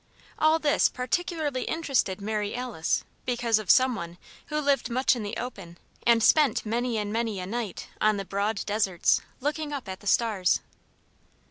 All this particularly interested Mary Alice because of Some One who lived much in the open and spent many and many a night on the broad deserts, looking up at the stars.